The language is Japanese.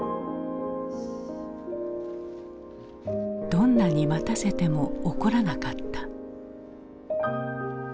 どんなに待たせても怒らなかった。